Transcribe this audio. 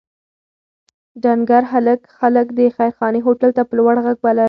ډنکر هلک خلک د خیرخانې هوټل ته په لوړ غږ بلل.